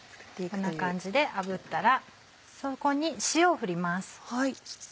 こんな感じであぶったらそこに塩を振ります。